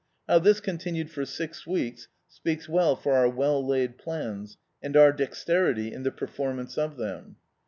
How this con tinued for six weeks speaks well for our well laid plans, and our dexterity in the performance of them.